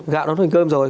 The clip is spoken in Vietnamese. gạo nó nốt thành cơm rồi